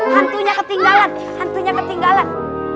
hantunya ketinggalan hantunya ketinggalan